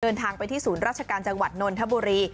เดินทางไปที่ศูนย์ราชการจังหวัดนนทบุรี